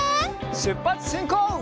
しゅっぱつしんこう！